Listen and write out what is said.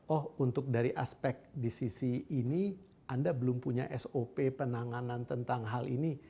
oh untuk dari aspek di sisi ini anda belum punya sop penanganan tentang hal ini